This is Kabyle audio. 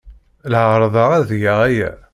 La ɛerrḍeɣ ad geɣ aya.